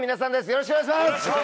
よろしくお願いします！